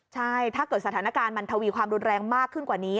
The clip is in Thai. ใช่ถ้าเกิดสถานการณ์มันทวีความรุนแรงมากขึ้นกว่านี้